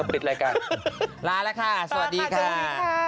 โปรดติดตามตอนต่อไป